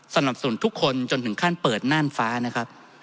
สนับสนุนทุกคนจนถึงขั้นเปิดน่านฟ้านะครับ